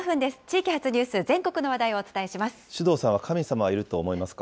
地域発ニュース、全国の話題をお伝えします。